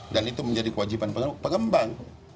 dan itu menjadi kewajiban pengembang